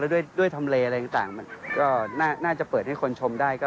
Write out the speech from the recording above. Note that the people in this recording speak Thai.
แล้วด้วยทำเลอะไรต่างน่าจะเปิดให้คนชมได้